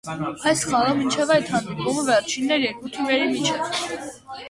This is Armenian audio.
Այդ խաղը մինչև այս հանդիպումը վերջինն էր երկու թիմերի միջև։